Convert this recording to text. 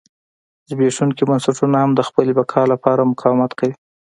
زبېښونکي بنسټونه هم د خپلې بقا لپاره مقاومت کوي.